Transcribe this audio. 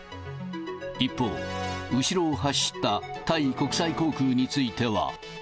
一方、後ろを走ったタイ国際航空については。